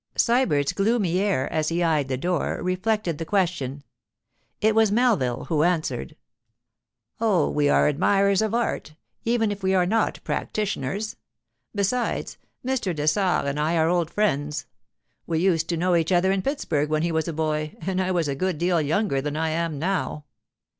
Sybert's gloomy air, as he eyed the door, reflected the question. It was Melville who answered: 'Oh, we are admirers of art, even if we are not practitioners. Besides, Mr. Dessart and I are old friends. We used to know each other in Pittsburg when he was a boy and I was a good deal younger than I am now.